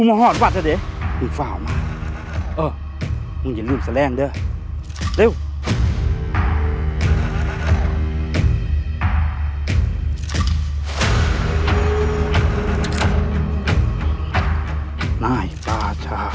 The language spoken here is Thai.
มันมืดอ่ะ